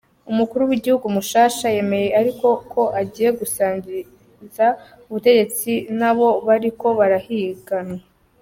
Umukuru w'igihugu mushasha yemeye ariko ko agiye gusangiza ubutegetsi n'abo bariko barahiganwa.